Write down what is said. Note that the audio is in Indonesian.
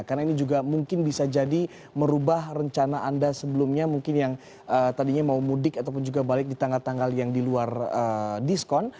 karena ini juga mungkin bisa jadi merubah rencana anda sebelumnya mungkin yang tadinya mau mudik ataupun juga balik di tanggal tanggal yang di luar diskon